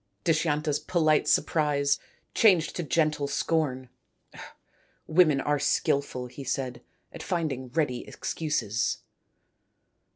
Dushyanta's polite surprise changed to gentle scorn. " Women are skilful," he said, " at finding ready excuses."